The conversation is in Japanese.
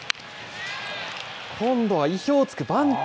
今度は意表をつくバント。